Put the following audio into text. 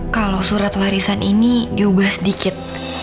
kalau surat warisan ini diubah sedikit